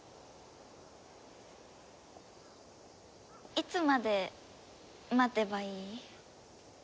いつまで待てばいい？